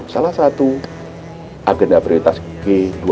salah satu agenda prioritas g dua puluh